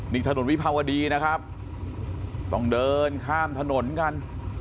นี่ถนนวิภาวดีนะครับต้องเดินข้ามถนนกัน